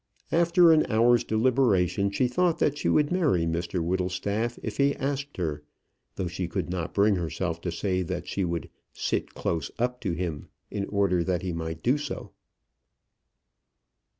After an hour's deliberation, she thought that she would marry Mr Whittlestaff if he asked her, though she could not bring herself to say that she would "sit close up to him" in order that he might do so.